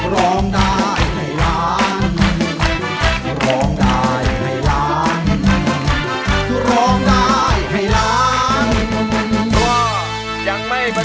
ร้องเข้าให้เร็ว